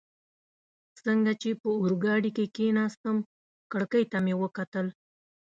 څنګه چي په اورګاډي کي کښېناستم، کړکۍ ته مې وکتل.